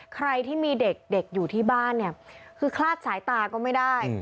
ใครที่มีเด็กเด็กอยู่ที่บ้านเนี่ยคือคลาดสายตาก็ไม่ได้